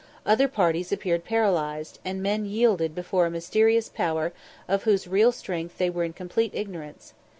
Other parties appeared paralysed, and men yielded before a mysterious power of whose real strength they were in complete ignorance.